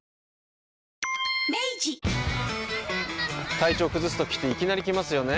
体調崩すときっていきなり来ますよね。